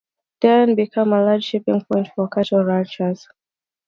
Dryden became a large shipping point for cattle ranchers.